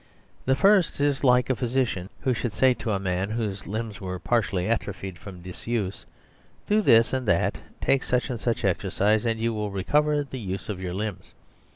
The first is like a physician who should say to a man whose limbs were partially atrophied from disuse :" Do this ar\d that, take such and such exercise, and you will recover the use of your limbs."